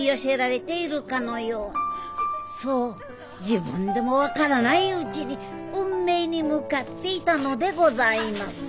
自分でも分からないうちに運命に向かっていたのでございます